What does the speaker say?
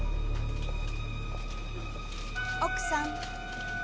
奥さん。